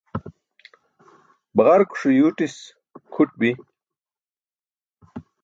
Baġarkuṣe yuuṭis kʰuṭ bi.